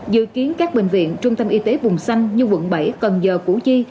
dự kiến các bệnh viện trung tâm y tế vùng xanh như quận bảy cần giờ củ chi